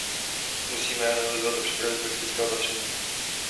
Musíme je analyzovat a připravit praktická opatření.